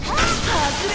はずれ。